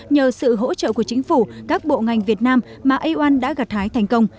nhờ sự hỗ trợ của chính phủ các bộ ngành việt nam mà aomon đã gạt thái thành công